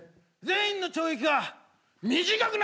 全員の懲役が短くなった。